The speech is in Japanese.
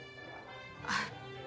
あっ。